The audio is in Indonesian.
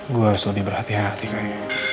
gue harus lebih berhati hati kali